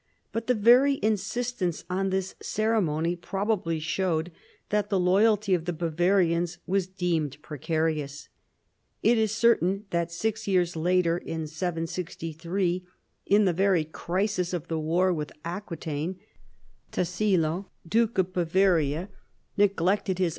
But the very insistence on this ceremony probably showed that the loyalty of the Bavarians was deemed precarious. It is certain that six years later (703), in the very crisis of the war with Aqui taine, " Tassilo, Duke of Bavaria, neglected his REVOLTS AND CONSPIRACIES.